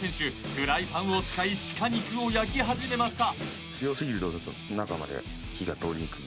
フライパンを使い鹿肉を焼き始めました